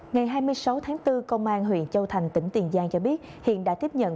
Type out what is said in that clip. ngày hai mươi sáu tháng bốn công an huyện châu thành tỉnh tiền giang cho biết hiện đã tiếp nhận